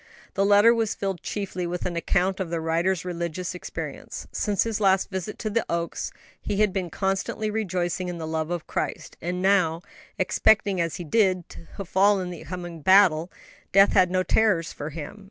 The letter was filled chiefly with an account of the writer's religious experience. Since his last visit to the Oaks he had been constantly rejoicing in the love of Christ, and now, expecting, as he did, to fall in the coming battle, death had no terrors for him.